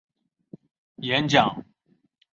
演讲是肖托夸活动的重要构成部分。